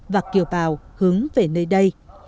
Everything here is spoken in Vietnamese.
và kiều bào hướng về nơi đây